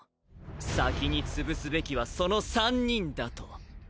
先に潰すべきはその３人だと！